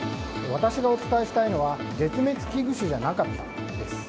私がお伝えしたいのは絶滅危惧種じゃなかったです。